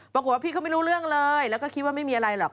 พี่เขาไม่รู้เรื่องเลยแล้วก็คิดว่าไม่มีอะไรหรอก